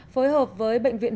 phối hợp với bệnh viện